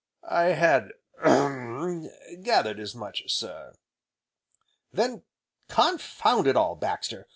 "I had hem! gathered as much, sir." "Then confound it all, Baxter!